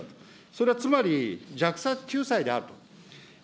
それはつまり、弱者仲裁であると。